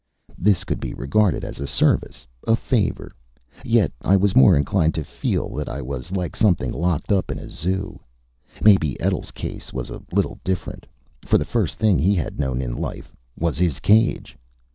This could be regarded as a service, a favor. Yet I was more inclined to feel that I was like something locked up in a zoo. Maybe Etl's case was a little different. For the first thing he had known in life was his cage.